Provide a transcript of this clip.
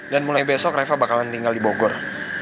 dan mulai besok reva bakalan tinggal di bawah